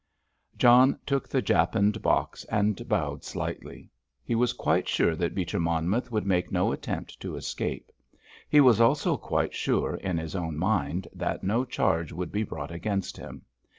John took the japanned box and bowed slightly. He was quite sure that Beecher Monmouth would make no attempt to escape. He was also quite sure in his own mind that no charge would be brought against him.